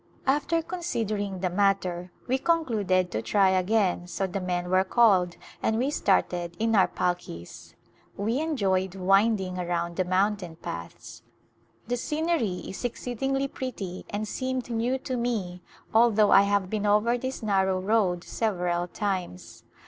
After considering the matter we concluded to try again so the men were called and we started in our palkis. We enjoyed winding around the mountain paths. The scenery is exceedingly pretty and seemed A Glimpse of India new to me although I have been over this narrow road several times.